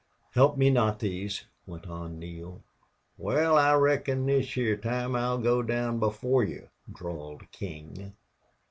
"Help me knot these," went on Neale. "Wal, I reckon this heah time I'll go down before you," drawled King.